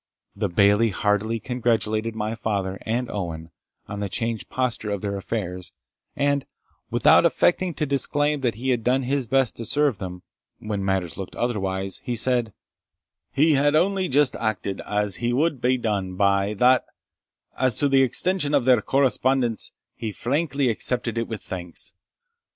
The Bailie heartily congratulated my father and Owen on the changed posture of their affairs, and, without affecting to disclaim that he had done his best to serve them, when matters looked otherwise, he said, "He had only just acted as he wad be done by that, as to the extension of their correspondence, he frankly accepted it with thanks.